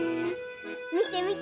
みてみて！